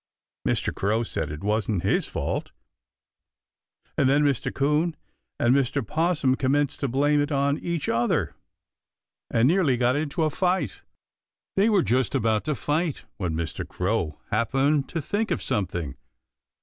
Mr. Crow said it wasn't his fault, and then Mr. 'Coon and Mr. 'Possum commenced to blame it on each other, and nearly got into a fight. They were just about to fight when Mr. Crow happened to think of something.